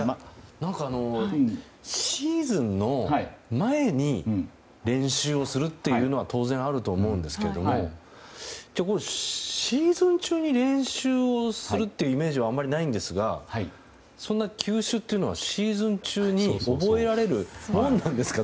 シーズンの前に練習をするというのは当然、あると思うんですけどもじゃあ、シーズン中に練習をするというイメージはあまりないんですがそんな球種というのはシーズン中に覚えられるものなんですか。